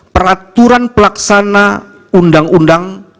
peraturan pelaksana undang undang